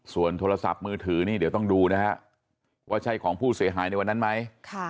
ส่วนโทรศัพท์มือถือนี่เดี๋ยวต้องดูนะฮะว่าใช่ของผู้เสียหายในวันนั้นไหม